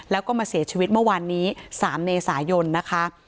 แล้วก็มาเสียชีวิตเมื่อวานนี้๓เมษายนนะคะ